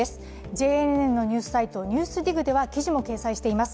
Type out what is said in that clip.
ＪＮＮのニュースサイト「ＮＥＷＳＤＩＧ」では記事も掲載しています。